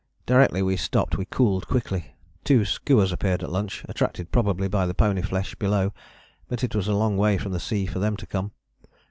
Directly we stopped we cooled quickly. Two skuas appeared at lunch, attracted probably by the pony flesh below, but it was a long way from the sea for them to come.